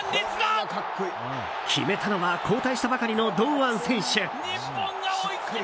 決めたのは交代したばかりの堂安選手。